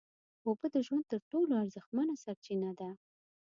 اوبه د ژوند تر ټولو ارزښتمنه سرچینه ده